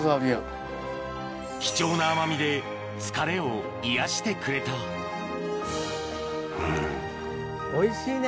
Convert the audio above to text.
貴重な甘みで疲れを癒やしてくれたうん。